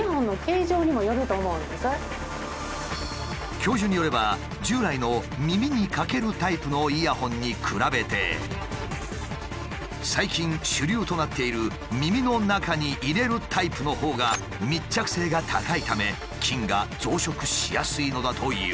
教授によれば従来の耳に掛けるタイプのイヤホンに比べて最近主流となっている耳の中に入れるタイプのほうが密着性が高いため菌が増殖しやすいのだという。